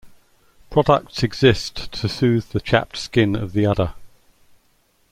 Products exist to soothe the chapped skin of the udder.